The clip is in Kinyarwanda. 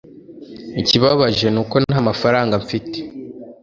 ikibabaje nuko ntamafaranga mfite